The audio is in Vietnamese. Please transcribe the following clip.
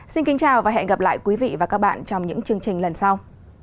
xin kính chào và hẹn gặp lại quý vị và các bạn trong những chương trình lần sau